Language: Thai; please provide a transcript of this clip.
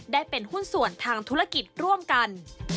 ได้เป็นหุ้นส่วนทางธุรกิจร่วมกัน